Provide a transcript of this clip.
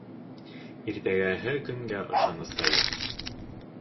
Иртәгәһе көнгә ышаныс та юҡ.